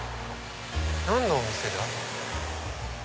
何のお店だ？